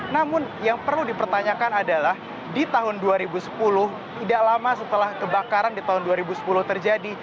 namun yang perlu dipertanyakan adalah di tahun dua ribu sepuluh tidak lama setelah kebakaran di tahun dua ribu sepuluh terjadi